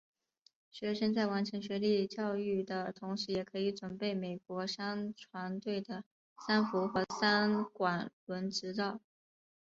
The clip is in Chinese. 学生在完成学历教育的同时可以准备美国商船队的三副或三管轮执照。